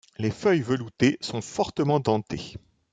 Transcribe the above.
Les feuilles veloutées sont fortement dentées.